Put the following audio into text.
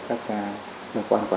các cơ quan quản lý doanh nghiệp